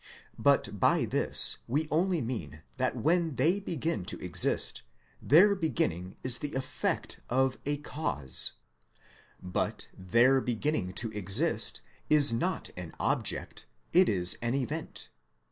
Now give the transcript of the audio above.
But by this we only mean that when they begin to exist, their ARGUMENT FOR A FIRST CAUSE 143 beginning is the effect of a cause. But their beginning to exist is not an object, it is an event.